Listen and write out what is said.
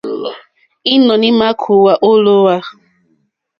Ínɔ̀ní ímà kòówá ô lǒhwà.